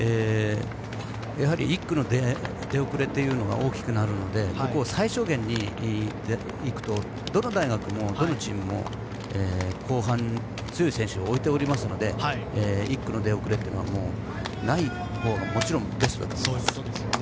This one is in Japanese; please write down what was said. やはり１区の出遅れは大きくなるのでここを最小限にいくとどの大学もどのチームも後半に強い選手を置いていますので１区の出遅れは、ないほうがもちろんベストです。